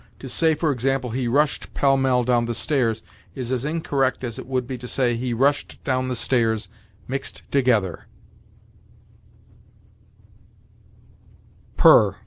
To say, for example, "He rushed pell mell down the stairs," is as incorrect as it would be to say, "He rushed down the stairs mixed together." PER.